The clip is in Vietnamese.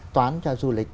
toán cho du lịch